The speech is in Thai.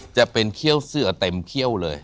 จะเป็นเขี้ยวเสือเต็มเขี้ยวเลย